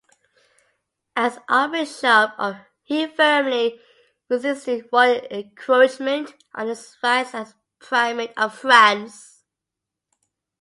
As archbishop, he firmly resisted royal encroachment on his rights as Primate of France.